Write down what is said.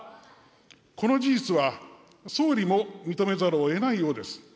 この事実は総理も認めざるをえないようです。